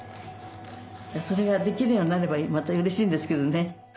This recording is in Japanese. それができるようになればまたうれしいんですけどね。